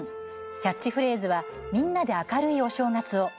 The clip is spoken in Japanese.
キャッチフレーズは「みんなで明るいお正月を」。